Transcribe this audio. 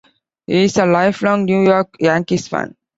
He is a lifelong New York Yankees fan.